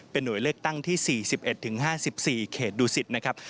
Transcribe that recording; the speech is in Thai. หน่วยเลือกตั้งที่๔๑๕๔เขตดูสิตนะครับ